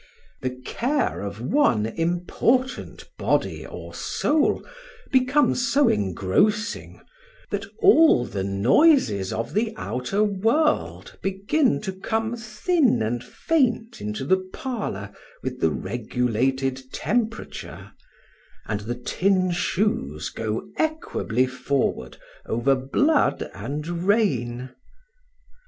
The care of one important body or soul becomes so engrossing, that all the noises of the outer world begin to come thin and faint into the parlour with the regulated temperature; and the tin shoes go equably forward over blood and rain.